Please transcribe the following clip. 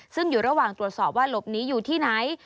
ซึ่งอยู่ระหว่างตรวจสอบว่าหลบหนีอยู่ที่ไหน